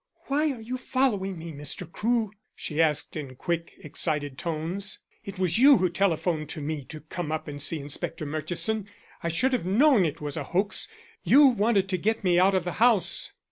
"Why are you following me, Mr. Crewe?" she asked in quick excited tones. "It was you who telephoned to me to come up and see Inspector Murchison. I should have known it was a hoax. You wanted to get me out of the house."